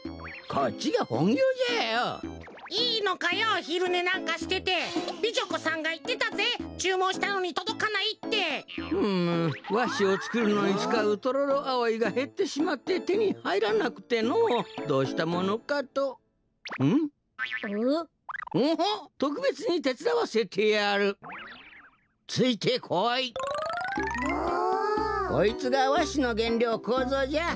こいつがわしのげんりょうコウゾじゃ。